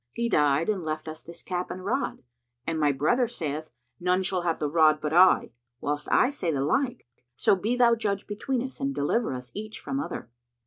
He died and left us this cap and rod; and my brother saith, 'None shall have the rod but I,' whilst I say the like; so be thou judge between us and deliver us each from other."